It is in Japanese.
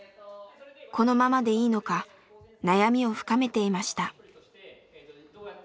このままでいいのか悩みを深めていました。